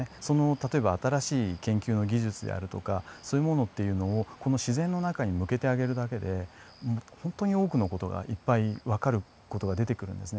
例えば新しい研究の技術であるとかそういうものっていうのをこの自然の中に向けてあげるだけで本当に多くの事がいっぱいわかる事が出てくるんですね。